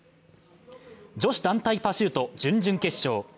女子団体パシュート準々決勝。